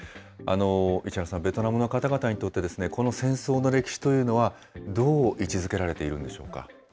市原さん、ベトナムの方々にとって、この戦争の歴史というのはどう位置づけられているんでしょうか。